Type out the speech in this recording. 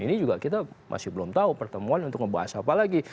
ini juga kita masih belum tahu pertemuan untuk membahas apa lagi